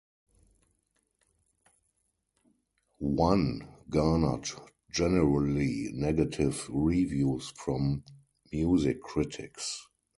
"One" garnered generally negative reviews from music critics.